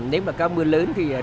nếu mà cao mưa lớn thì rất là vui